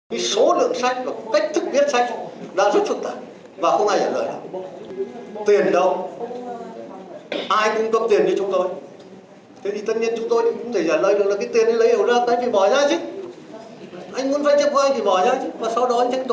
ai cung cấp tiền cho chúng tôi thế thì tất nhiên chúng tôi cũng thể giả lời được là cái tiền này lấy ở đó anh phải bỏ ra chứ